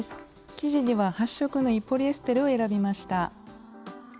生地には発色のいいポリエステルを選びました。